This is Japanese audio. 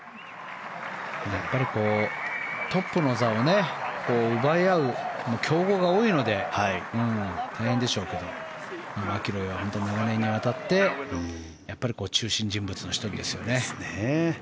トップの座を奪い合う強豪が多いので大変でしょうけどマキロイは長年にわたってやっぱり中心人物の１人ですよね。